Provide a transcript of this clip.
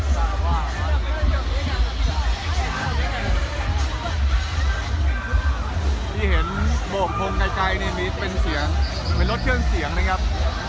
เจพส์บวกคลุมใกนี่มีเป็นเสี็งมือรถเครื่องเสี่ยงนะครับ